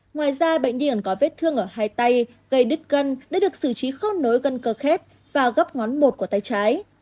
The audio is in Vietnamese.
ngoài ra bệnh nhi còn có vết thương ở hai tay gây đứt gân để được xử trí khâu nối gân cơ khép vào góc ngón một của tay trái